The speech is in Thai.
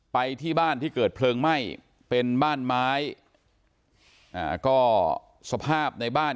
ไปที่บ้านที่เกิดเพลิงไหม้เป็นบ้านไม้อ่าก็สภาพในบ้าน